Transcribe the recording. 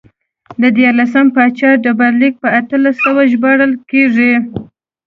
د دیارلسم پاچا ډبرلیک په اتلس سوی ژباړل کېږي